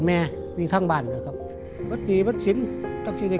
ให้แม่กินกว่าแท่นบุญคุณเป็นเรียงเฮ้ามา